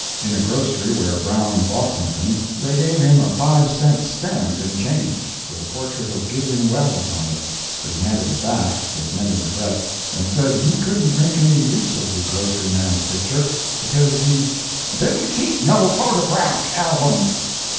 In a grocery where Brown bought something, they gave him a five cent stamp in change, with a portrait of Gideon Welles on it, but he handed it back, with many regrets, and said he couldn't make any use of the grocery man's picture, because he "didn't keep no photograft album."